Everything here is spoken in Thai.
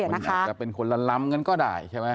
มันอาจจะเป็นคนละลำกันก็ได้ใช่ไหม